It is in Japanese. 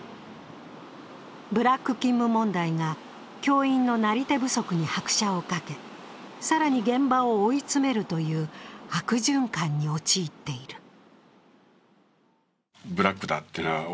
ブラック勤務問題が教員のなり手不足に拍車をかけ、更に現場を追い詰めるという悪循環に陥っている。